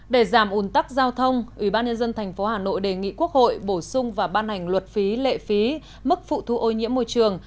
để giảm ủn tắc giao thông ubnd tp hà nội đề nghị quốc hội bổ sung và ban hành luật phí lệ phí mức phụ thu ô nhiễm môi trường